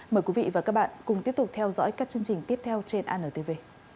mời quý vị và các bạn cùng tiếp tục theo dõi các chương trình tiếp theo trên antv